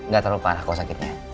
gak terlalu parah kok sakitnya